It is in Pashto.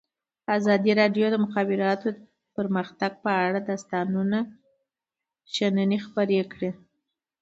ازادي راډیو د د مخابراتو پرمختګ په اړه د استادانو شننې خپرې کړي.